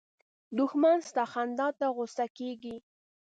دښمن ستا خندا ته غوسه کېږي